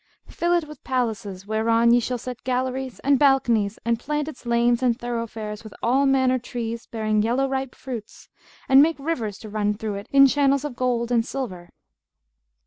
Fill it with palaces, whereon ye shall set galleries and balconies and plant its lanes and thoroughfares with all manner trees bearing yellow ripe fruits and make rivers to run through it in channels of gold and silver.'